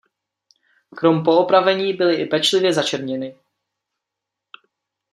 Krom poopravení byly i pečlivě začerněny.